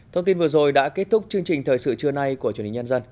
thông tin vừa rồi đã kết thúc chương trình thời sự trưa nay của chủ nhật nhân dân